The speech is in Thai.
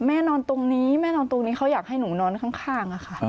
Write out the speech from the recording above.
แม่นอนตรงนี้แม่นอนตรงนี้เขาอยากให้หนูนอนข้างอะค่ะ